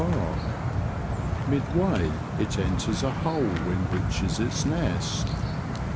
bark ; midway it enters a hole in which is its nest.